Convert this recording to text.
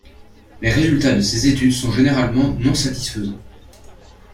Les résultats de ces études sont généralement non-satisfaisant.